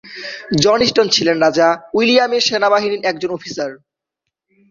Johnston ছিলেন রাজা উইলিয়ামের সেনাবাহিনীর একজন অফিসার।